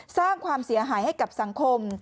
สร้างความเสียหายให้กับสังคม